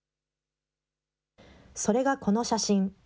それがこの写真。